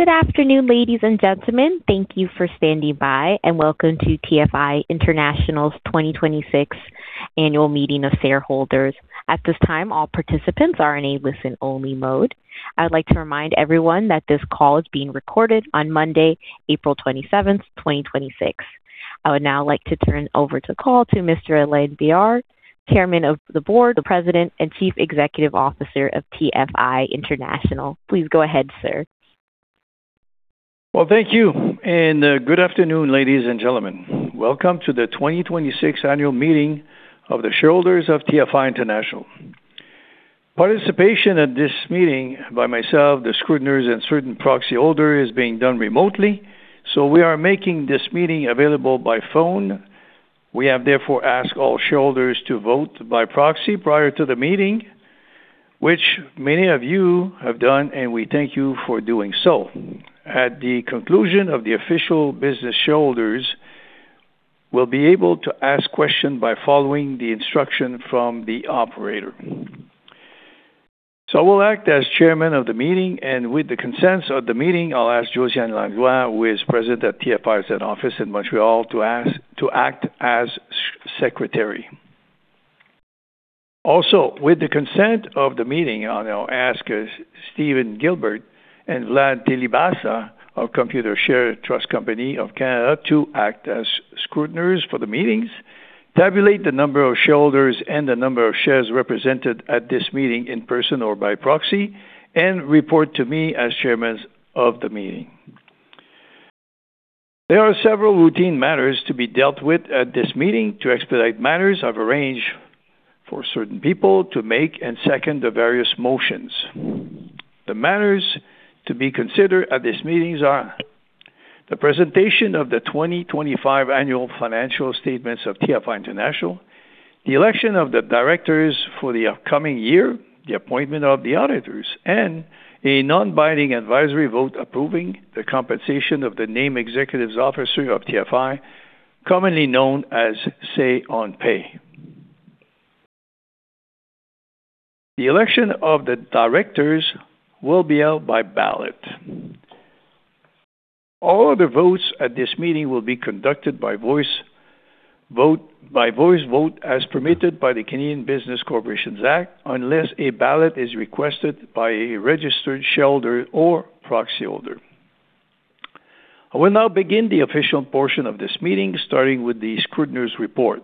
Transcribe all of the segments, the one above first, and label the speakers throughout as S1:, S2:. S1: Good afternoon, ladies and gentlemen. Thank you for standing by and welcome to TFI International's 2026 annual meeting of shareholders. At this time, all participants are in a listen-only mode. I would like to remind everyone that this call is being recorded on Monday, April 27th, 2026. I would now like to turn over the call to Mr. Alain Bédard, Chairman of the Board, President, and Chief Executive Officer of TFI International. Please go ahead, sir.
S2: Well, thank you, and good afternoon, ladies and gentlemen. Welcome to the 2026 annual meeting of the shareholders of TFI International. Participation at this meeting by myself, the scrutineers, and certain proxy holders is being done remotely, so we are making this meeting available by phone. We have therefore asked all shareholders to vote by proxy prior to the meeting, which many of you have done, and we thank you for doing so. At the conclusion of the official business, shareholders will be able to ask questions by following the instruction from the operator. I will act as chairman of the meeting, and with the consent of the meeting, I'll ask Josiane Langlois, who is present at TFI's head office in Montreal to act as secretary. Also, with the consent of the meeting, I'll now ask Steven Gilbert and Vlad Delibasa of Computershare Trust Company of Canada to act as scrutineers for the meetings, tabulate the number of shareholders and the number of shares represented at this meeting in person or by proxy, and report to me as chairman of the meeting. There are several routine matters to be dealt with at this meeting. To expedite matters, I've arranged for certain people to make and second the various motions. The matters to be considered at these meetings are the presentation of the 2025 annual financial statements of TFI International, the election of the directors for the upcoming year, the appointment of the auditors, and a non-binding advisory vote approving the compensation of the named executive officers of TFI, commonly known as Say on Pay. The election of the directors will be held by ballot. All other votes at this meeting will be conducted by voice vote, by voice vote as permitted by the Canada Business Corporations Act, unless a ballot is requested by a registered shareholder or proxy holder. I will now begin the official portion of this meeting, starting with the scrutineers' report.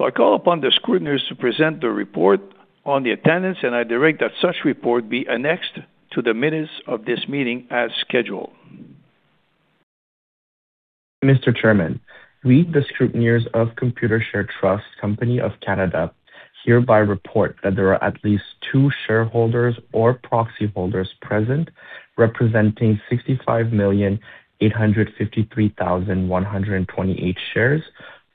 S2: I call upon the scrutineers to present their report on the attendance, and I direct that such report be annexed to the minutes of this meeting as scheduled.
S3: Mr. Chairman, we, the scrutineers of Computershare Trust Company of Canada, hereby report that there are at least two shareholders or proxy holders present representing 65,853,128 shares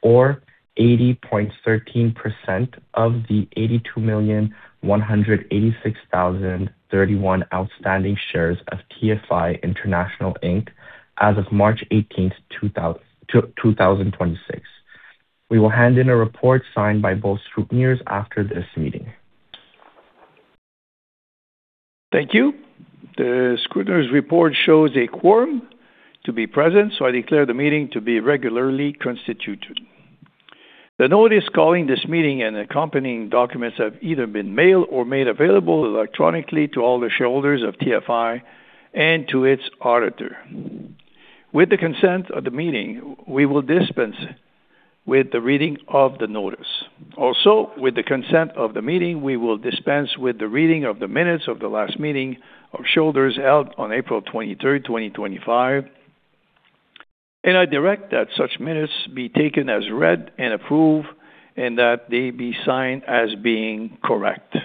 S3: or 80.13% of the 82,186,031 outstanding shares of TFI International Inc. as of March 18th, 2026. We will hand in a report signed by both scrutineers after this meeting.
S2: Thank you. The scrutineers report shows a quorum to be present, so I declare the meeting to be regularly constituted. The notice calling this meeting and accompanying documents have either been mailed or made available electronically to all the shareholders of TFI and to its auditor. With the consent of the meeting, we will dispense with the reading of the notice. Also, with the consent of the meeting, we will dispense with the reading of the minutes of the last meeting of shareholders held on April 23rd, 2025. I direct that such minutes be taken as read and approved, and that they be signed as being correct.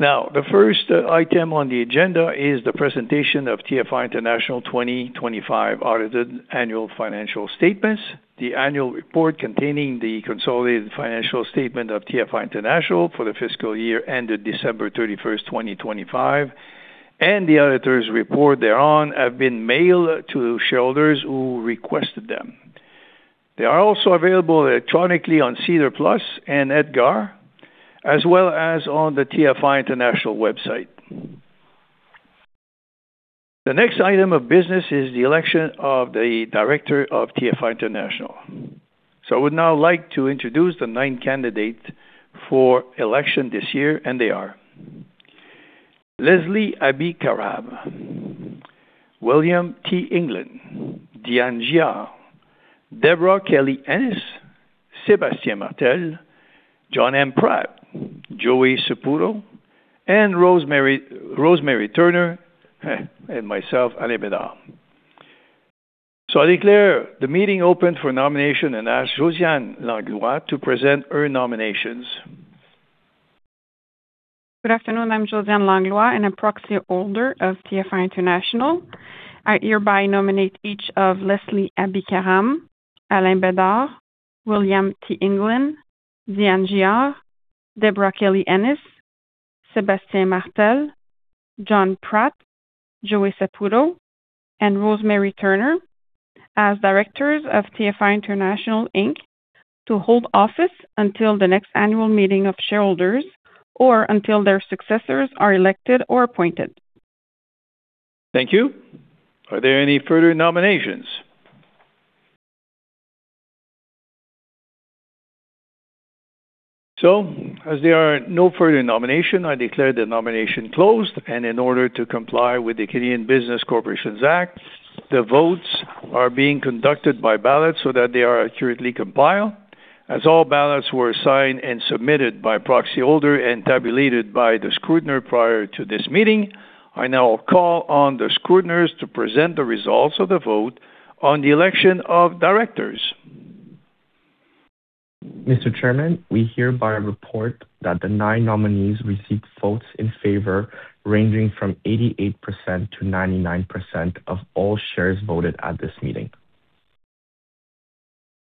S2: Now, the first item on the agenda is the presentation of TFI International 2025 audited annual financial statements. The annual report containing the consolidated financial statement of TFI International for the fiscal year ended December 31st, 2025, and the auditor's report thereon have been mailed to shareholders who requested them. They are also available electronically on SEDAR+ and EDGAR, as well as on the TFI International website. The next item of business is the election of the director of TFI International. I would now like to introduce the nine candidates for election this year, and they are Leslie Abi-Karam, William T. England, Diane Giard, Debra Kelly-Ennis, Sébastien Martel, John M. Pratt, Joey Saputo, and Rosemary Turner, and myself, Alain Bédard. I declare the meeting open for nomination and ask Josiane Langlois to present her nominations.
S4: Good afternoon. I'm Josiane Langlois, and a proxy holder of TFI International. I hereby nominate each of Leslie Abi-Karam, Alain Bédard, William T. England, Diane Giard, Debra Kelly-Ennis, Sébastien Martel, John Pratt, Joey Saputo, and Rosemary Turner as directors of TFI International Inc. to hold office until the next annual meeting of shareholders or until their successors are elected or appointed.
S2: Thank you. Are there any further nominations? As there are no further nomination, I declare the nomination closed. In order to comply with the Canada Business Corporations Act, the votes are being conducted by ballot so that they are accurately compiled. As all ballots were signed and submitted by proxy holder and tabulated by the scrutineer prior to this meeting, I now call on the scrutineers to present the results of the vote on the election of directors.
S3: Mr. Chairman, we hereby report that the nine nominees received votes in favor ranging from 88%-99% of all shares voted at this meeting.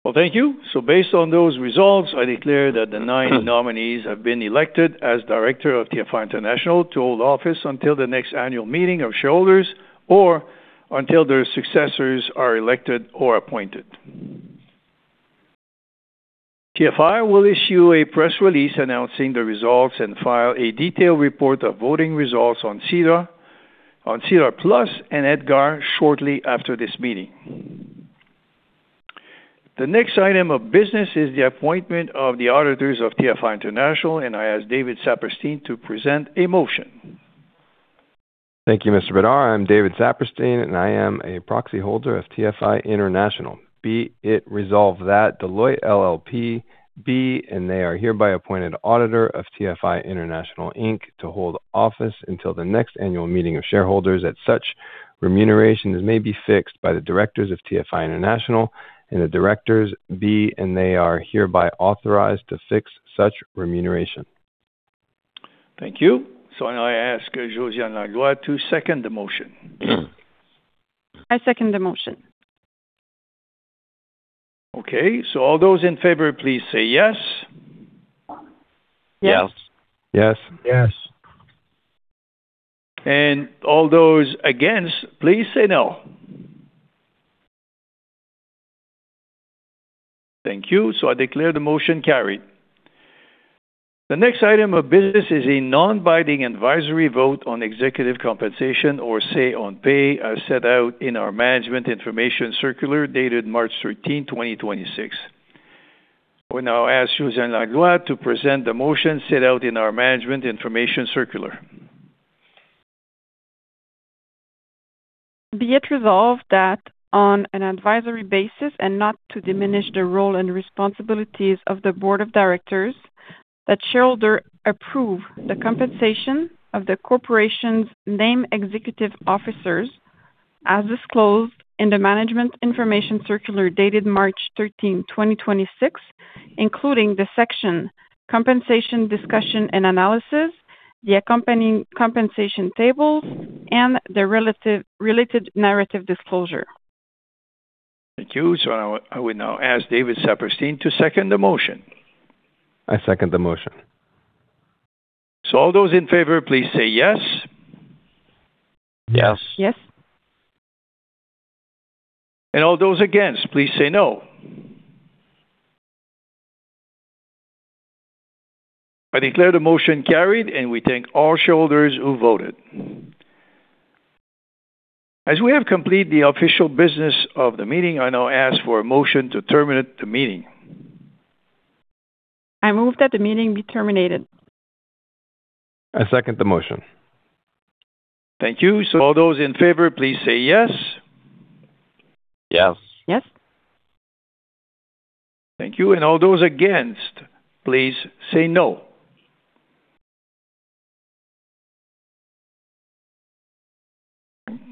S2: Well, thank you. Based on those results, I declare that the nine nominees have been elected as director of TFI International to hold office until the next annual meeting of shareholders or until their successors are elected or appointed. TFI will issue a press release announcing the results and file a detailed report of voting results on SEDAR, on SEDAR+ and EDGAR shortly after this meeting. The next item of business is the appointment of the auditors of TFI International, and I ask David Saperstein to present a motion.
S5: Thank you, Mr. Bédard. I'm David Saperstein, and I am a proxy holder of TFI International. Be it resolved that Deloitte LLP be and they are hereby appointed auditor of TFI International Inc. to hold office until the next annual meeting of shareholders at such remuneration as may be fixed by the directors of TFI International. The directors be and they are hereby authorized to fix such remuneration.
S2: Thank you. So, I now ask Ms. Josiane Langlois to second the motion.
S4: I second the motion.
S2: Okay. All those in favor, please say yes.
S6: Yes.
S7: Yes.
S8: Yes.
S2: All those against, please say no. Thank you. So, I declare the motion carried. The next item of business is a non-binding advisory vote on executive compensation or Say on Pay, as set out in our management information circular dated March 13, 2026. We now ask Josiane Langlois to present the motion set out in our management information circular.
S4: Be it resolved that on an advisory basis and not to diminish the role and responsibilities of the board of directors, that shareholders approve the compensation of the corporation's named executive officers as disclosed in the management information circular dated March 13, 2026, including the section Compensation Discussion and Analysis, the accompanying compensation tables and the relative, related narrative disclosure.
S2: Thank you. I will now ask David Saperstein to second the motion.
S5: I second the motion.
S2: All those in favor, please say yes.
S5: Yes.
S4: Yes.
S2: All those against, please say no. I declare the motion carried, and we thank all shareholders who voted. As we have completed the official business of the meeting, I now ask for a motion to terminate the meeting.
S4: I move that the meeting be terminated.
S5: I second the motion.
S2: Thank you. All those in favor, please say yes.
S5: Yes.
S4: Yes.
S2: Thank you. All those against, please say no.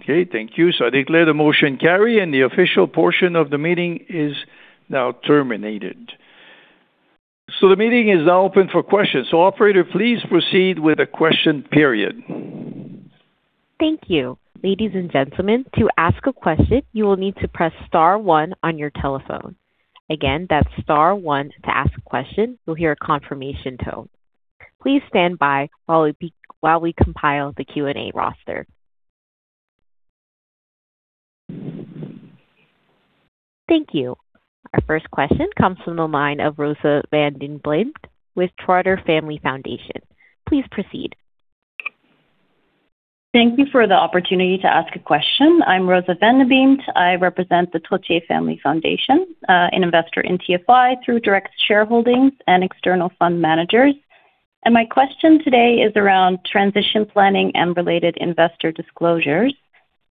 S2: Okay, thank you. So, I declare the motion carried, and the official portion of the meeting is now terminated. The meeting is now open for questions. Operator, please proceed with the question period.
S1: Thank you. Ladies and gentlemen. To ask a question, you will need to press star one on your telephone. Again, that's star one to ask a question. You'll hear a confirmation tone. Please stand by while we compile the Q&A roster. Thank you. Our first question comes from the line of Rosa van den Beemt with Trottier Family Foundation. Please proceed.
S9: Thank you for the opportunity to ask a question. I'm Rosa van den Beemt. I represent the Trottier Family Foundation, an investor in TFI through direct shareholdings and external fund managers. And my question today is around transition planning and related investor disclosures.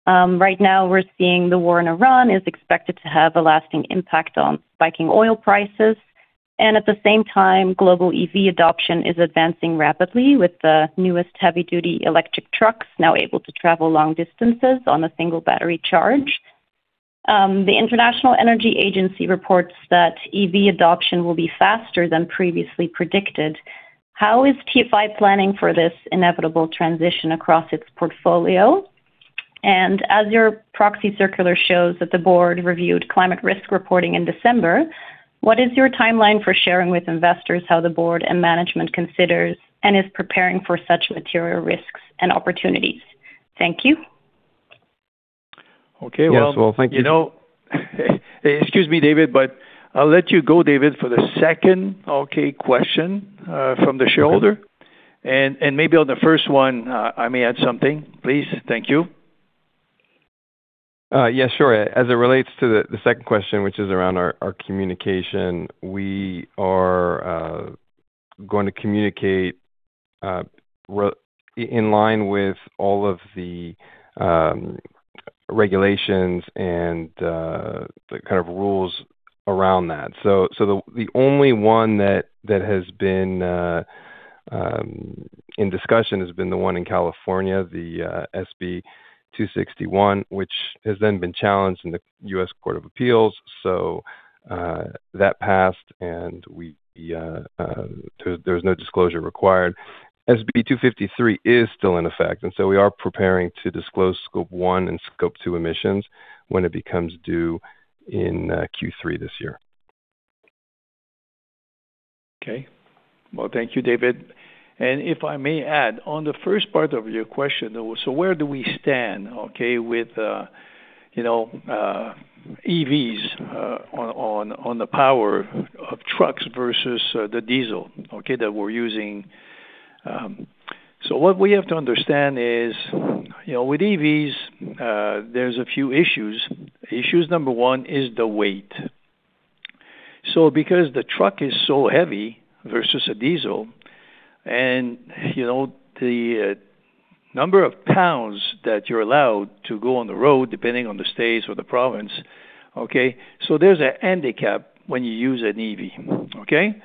S9: Right now we're seeing the war in Iran is expected to have a lasting impact on spiking oil prices. At the same time, global EV adoption is advancing rapidly, with the newest heavy duty electric trucks now able to travel long distances on a single battery charge. The International Energy Agency reports that EV adoption will be faster than previously predicted. How is TFI planning for this inevitable transition across its portfolio? And, as your proxy circular shows that the board reviewed climate risk reporting in December. What is your timeline for sharing with investors how the board and management considers and is preparing for such material risks and opportunities? Thank you.
S2: Okay. Well.
S5: Yes. Well, thank you.
S2: You know, excuse me, David, but I'll let you go, David, for the second, okay, question, from the shareholder. Maybe on the first one, I may add something. Please. Thank you.
S5: Yeah, sure. As it relates to the second question, which is around our communication, we are going to communicate in line with all of the regulations and the kind of rules around that. The only one that has been in discussion has been the one in California, the SB 261, which has then been challenged in the U.S. Court of Appeals. That passed and there was no disclosure required. SB 253 is still in effect, and we are preparing to disclose Scope 1 and Scope 2 emissions when it becomes due in Q3 this year.
S2: Well, thank you, David. If I may add, on the first part of your question, where do we stand with you know EVs on the power of trucks versus the diesel that we're using? What we have to understand is, you know, with EVs there's a few issues. Issue number one is the weight. Because the truck is so heavy versus a diesel and you know the number of pounds that you're allowed to go on the road, depending on the states or the province. There's a handicap when you use an EV.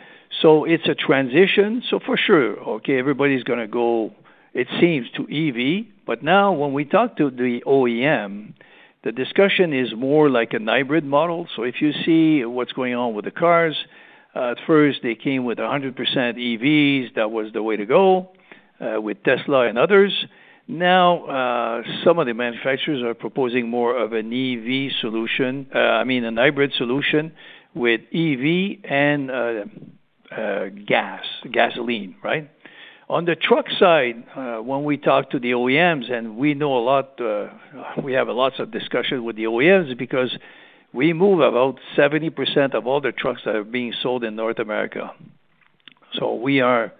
S2: It's a transition. For sure everybody's gonna go, it seems, to EV, but now when we talk to the OEM, the discussion is more like a hybrid model. If you see what's going on with the cars, at first they came with 100% EVs. That was the way to go, with Tesla and others. Now, some of the manufacturers are proposing more of an EV solution, I mean, a hybrid solution with EV and gas, gasoline, right? On the truck side, when we talk to the OEMs, and we know a lot, we have lots of discussions with the OEMs because we move about 70% of all the trucks that are being sold in North America. We are,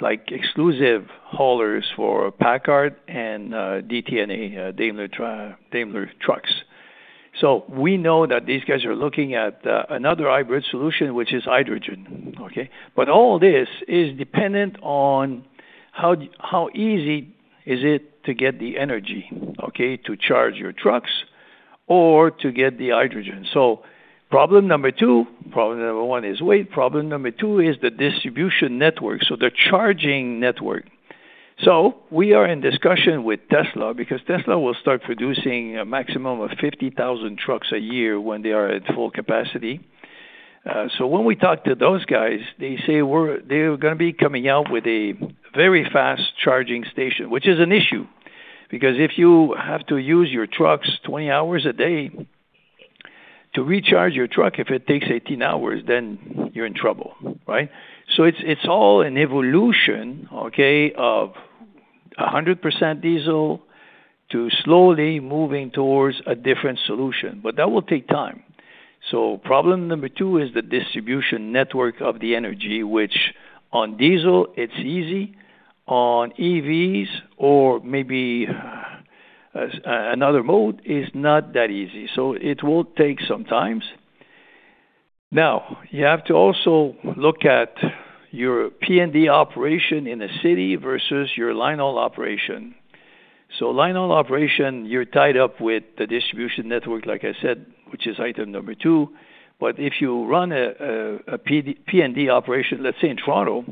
S2: like, exclusive haulers for PACCAR and DTNA, Daimler Trucks. We know that these guys are looking at another hybrid solution, which is hydrogen, okay? But all this is dependent on how easy is it to get the energy, okay, to charge your trucks or to get the hydrogen. Problem number one is weight. Problem number two is the distribution network, so the charging network. We are in discussion with Tesla because Tesla will start producing a maximum of 50,000 trucks a year when they are at full capacity. When we talk to those guys, they say they're gonna be coming out with a very fast charging station, which is an issue, because if you have to use your trucks 20 hours a day, to recharge your truck, if it takes 18 hours, then you're in trouble, right? It's all an evolution, okay, of 100% diesel to slowly moving towards a different solution. But that will take time. Problem number two is the distribution network of the energy, which on diesel it's easy. On EVs or maybe another mode is not that easy, so it will take some times. Now, you have to also look at your P&D operation in a city versus your line haul operation. Line haul operation, you're tied up with the distribution network, like I said, which is item number two. If you run a P&D operation, let's say in Toronto,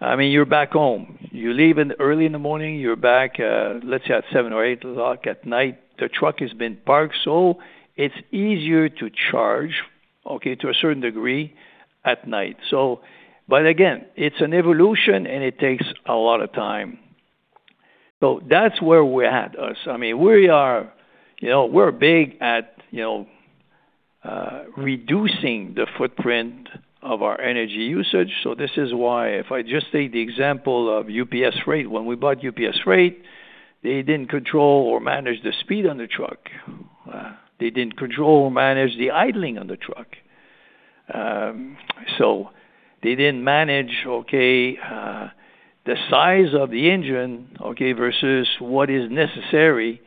S2: I mean, you're back home. You leave early in the morning, you're back, let's say at 7 o'clock or 8 o'clock at night. The truck has been parked, so it's easier to charge, okay, to a certain degree, at night. Again, it's an evolution, and it takes a lot of time. That's where we're at. We are, you know, we're big at, you know, reducing the footprint of our energy usage. This is why if I just take the example of UPS Freight. When we bought UPS Freight, they didn't control or manage the speed on the truck. They didn't control or manage the idling on the truck. They didn't manage the size of the engine versus what is necessary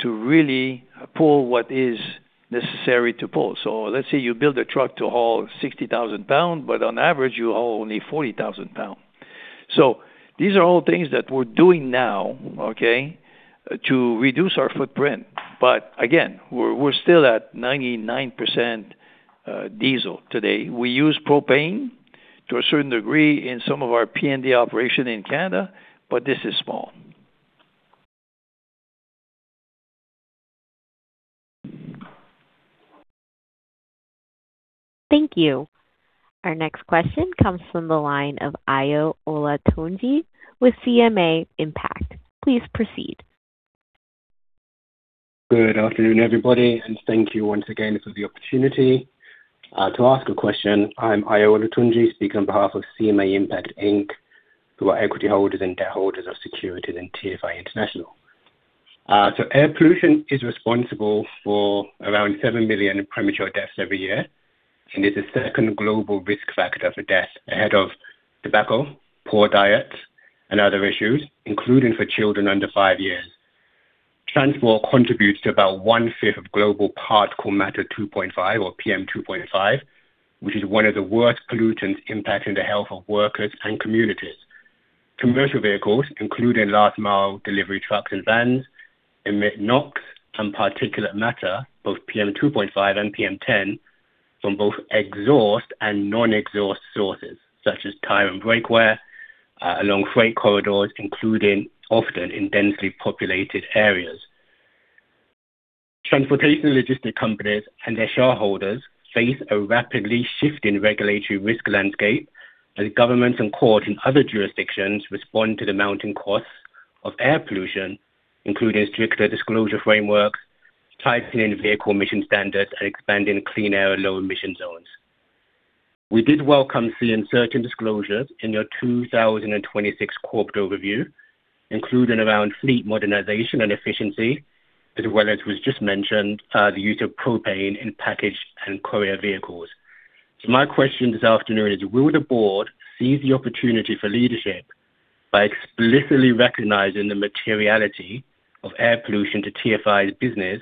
S2: to really pull what is necessary to pull. Let's say you build a truck to haul 60,000 lb, but on average you haul only 40,000 lb. These are all things that we're doing now to reduce our footprint. But again, we're still at 99% diesel today. We use propane to a certain degree in some of our P&D operation in Canada, but this is small.
S1: Thank you. Our next question comes from the line of Ayo Olatunji with CMA Impact. Please proceed.
S10: Good afternoon, everybody, and thank you once again for the opportunity to ask a question. I'm Ayo Olatunji, speaking on behalf of CMA Impact Inc. We are equity holders and debt holders of securities in TFI International. Air pollution is responsible for around seven million premature deaths every year and is the second global risk factor for death, ahead of tobacco, poor diet, and other issues, including for children under five years. Transport contributes to about one-fifth of global particulate matter 2.5 or PM2.5, which is one of the worst pollutants impacting the health of workers and communities. Commercial vehicles, including last mile delivery trucks and vans, emit NOx and particulate matter, both PM2.5 and PM10 from both exhaust and non-exhaust sources such as tire and brake wear along freight corridors, including often in densely populated areas. Transportation logistics companies and their shareholders face a rapidly shifting regulatory risk landscape as governments and courts in other jurisdictions respond to the mounting costs of air pollution, including stricter disclosure frameworks, tightening vehicle emission standards, and expanding clean air low-emission zones. We did welcome seeing certain disclosures in your 2026 Corp overview, including around fleet modernization and efficiency, as well as was just mentioned, the use of propane in package and courier vehicles. My question this afternoon is will the board seize the opportunity for leadership by explicitly recognizing the materiality of air pollution to TFI's business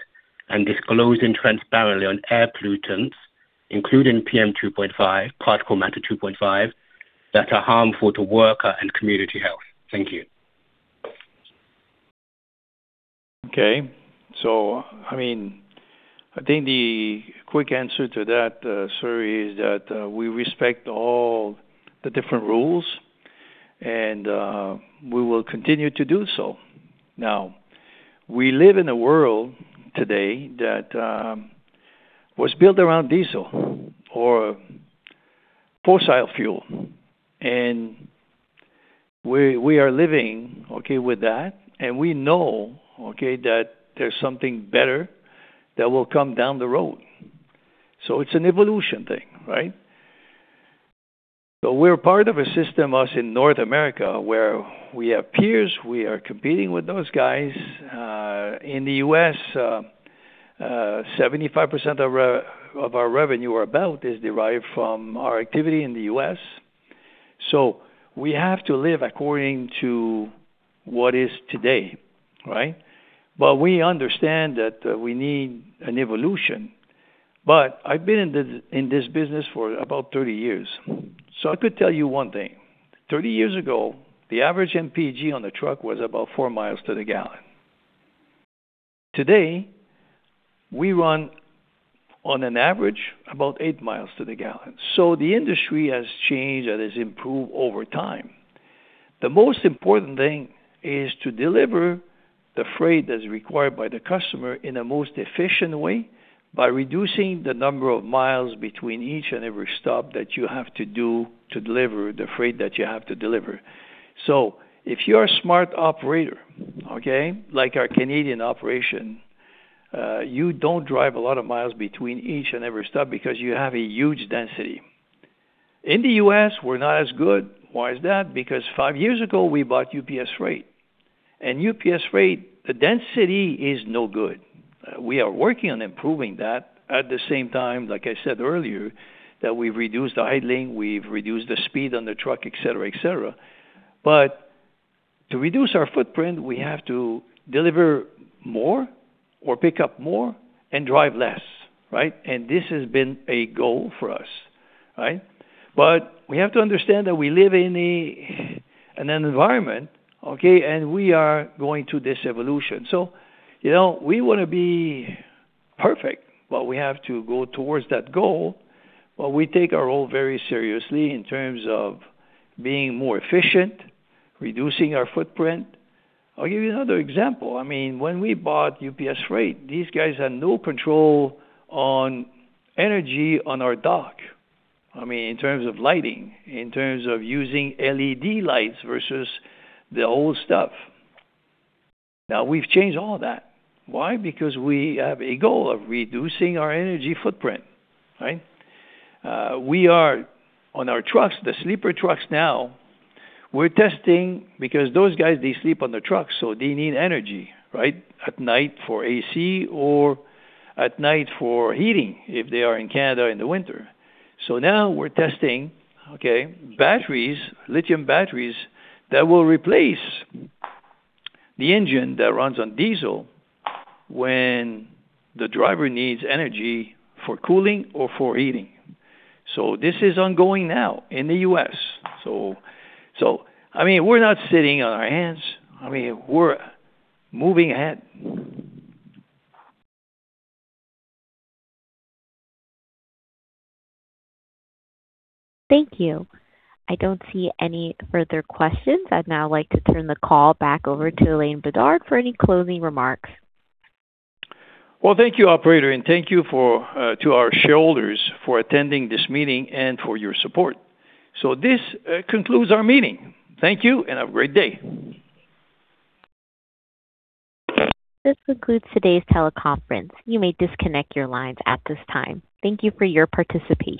S10: and disclosing transparently on air pollutants, including PM2.5, particulate matter 2.5, that are harmful to worker and community health? Thank you.
S2: Okay. So, I mean, I think the quick answer to that, sir, is that we respect all the different rules and we will continue to do so. Now, we live in a world today that was built around diesel or fossil fuel, and we are living with that, and we know that there's something better that will come down the road. It's an evolution thing, right? We're part of a system, us in North America, where we have peers. We are competing with those guys in the U.S. 75% of our revenue or about is derived from our activity in the U.S., so we have to live according to what is today, right? Well, we understand that we need an evolution. I've been in this business for about 30 years. So, I could tell you one thing. 30 years ago, the average MPG on the truck was about four miles to the gallon. Today, we run on an average about eight miles to the gallon. So, the industry has changed and has improved over time. The most important thing is to deliver the freight as required by the customer in the most efficient way by reducing the number of miles between each and every stop that you have to do to deliver the freight that you have to deliver. If you're a smart operator, okay? Like our Canadian operation, you don't drive a lot of miles between each and every stop because you have a huge density. In the U.S., we're not as good. Why is that? Because five years ago, we bought UPS Freight. And UPS Freight, the density is no good. We are working on improving that. At the same time, like I said earlier, that we've reduced idling, we've reduced the speed on the truck, et cetera, et cetera. But, to reduce our footprint, we have to deliver more or pick up more and drive less, right? This has been a goal for us, right? But, we have to understand that we live in a, in an environment, okay? And we are going through this evolution. You know, we wanna be perfect, but we have to go towards that goal. But we take our role very seriously in terms of being more efficient, reducing our footprint. I'll give you another example. I mean, when we bought UPS Freight, these guys had no control on energy on our dock. I mean, in terms of lighting, in terms of using LED lights versus the old stuff. Now we've changed all that. Why? Because we have a goal of reducing our energy footprint, right? We are on our trucks, the sleeper trucks now. We're testing because those guys, they sleep on the truck, so they need energy, right? At night for AC or at night for heating if they are in Canada in the winter. Now we're testing batteries, lithium batteries that will replace the engine that runs on diesel when the driver needs energy for cooling or for heating. So, this is ongoing now in the U.S. I mean, we're not sitting on our hands. I mean, we're moving ahead.
S1: Thank you. I don't see any further questions. I'd now like to turn the call back over to Alain Bédard for any closing remarks.
S2: Well, thank you, operator, and thank you to our shareholders for attending this meeting and for your support. This concludes our meeting. Thank you, and have a great day.
S1: This concludes today's teleconference. You may disconnect your lines at this time. Thank you for your participation.